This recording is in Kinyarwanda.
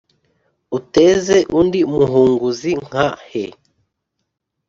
uteze undi muhunguzi nka he ?